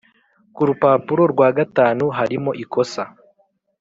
ku rupapuro rwa gatanu harimo ikosa